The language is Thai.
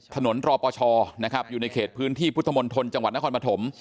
รอปชนะครับอยู่ในเขตพื้นที่พุทธมนตรจังหวัดนครปฐม